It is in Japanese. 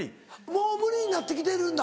もう無理になって来てるんだ。